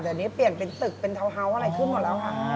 แต่อันนี้เปลี่ยนเป็นตึกเป็นทาวน์เฮาส์อะไรขึ้นหมดแล้วค่ะ